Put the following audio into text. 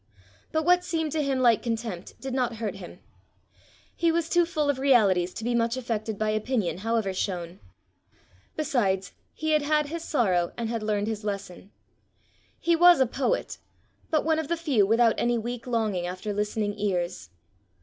But what seemed to him like contempt did not hurt him. He was too full of realities to be much affected by opinion however shown. Besides, he had had his sorrow and had learned his lesson. He was a poet but one of the few without any weak longing after listening ears.